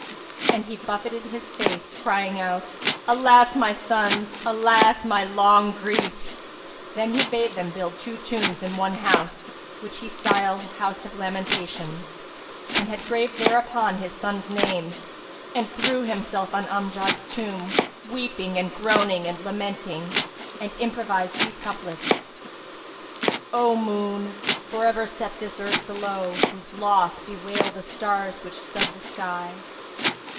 And he buffeted his face, crying out, "Alas, my sons! Alas, my long grief!" Then he bade them build two tombs in one house, which he styled "House of Lamentations," and had graved thereon his sons' names; and he threw himself on Amjad's tomb, weeping and groaning and lamenting, and improvised these couplets, "O moon for ever set this earth below, * Whose loss bewail the stars which stud the sky!